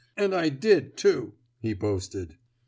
... And I did, too," he boasted.